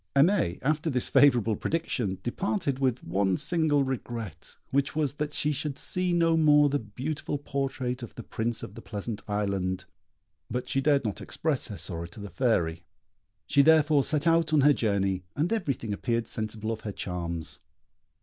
Aimée, after this favourable prediction, departed with one single regret, which was that she should see no more the beautiful portrait of the Prince of the Pleasant Island; but she dared not express her sorrow to the Fairy. She therefore set out on her journey, and everything appeared sensible of her charms.